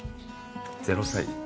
０歳。